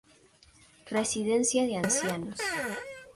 Residencia de ancianos.